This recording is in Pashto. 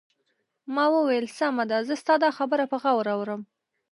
ما وویل: سمه ده، زه ستا دا خبره په غور اورم.